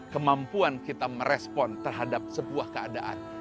kemampuan kita merespon terhadap sebuah keadaan